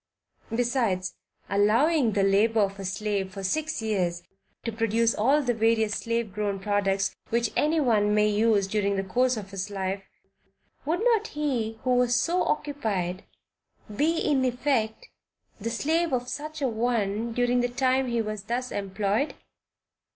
Besides "allowing the labor of a slave for six years, to produce all the various slave grown products which anyone may use during the course of his life, would not he who was so occupied be in effect the slave of such an one during the time he was thus employed?"